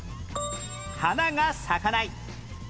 花が咲かない